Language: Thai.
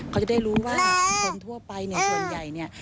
เขาจะได้รู้ว่าคนทั่วไปเนี่ยส่วนใหญ่เนี่ย